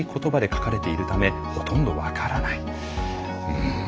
うん。